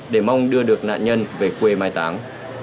để mong đưa được nạn nhân về quê mai táng